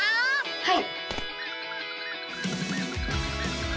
はい！